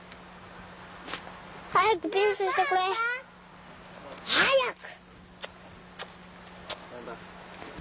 早くピースしてくれ早く！